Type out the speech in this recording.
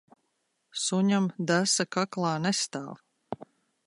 Suņam desa kaklā nestāv.